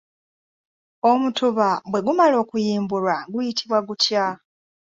Omutuba bwe gumala okuyimbulwa guyitibwa gutya?